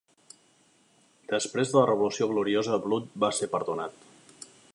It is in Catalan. Després de la Revolució Gloriosa, Blood va ser perdonat.